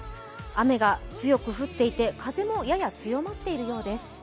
雨が強く降っていて、風もやや強まっているようです。